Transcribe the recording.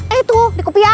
eh itu di kupiah